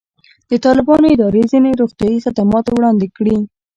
د طالبانو ادارې ځینې روغتیایي خدمات وړاندې کړي.